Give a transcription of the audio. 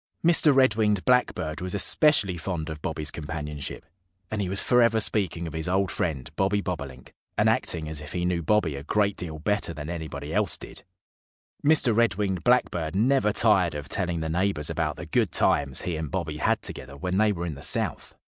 Mr. Red winged Blackbird was especially fond of Bobby's companionship. And he was forever speaking of his old friend, Bobby Bobolink, and acting as if he knew Bobby a great deal better than anybody else did. Mr. Red winged Blackbird never tired of telling the neighbors about the good times he and Bobby had together when they were in the South.